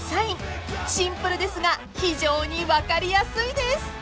［シンプルですが非常に分かりやすいです］